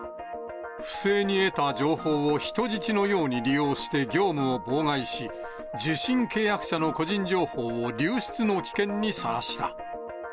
不正に得た情報を人質のように利用して業務を妨害し、受信契約者の個人情報を流出の危険にさらした。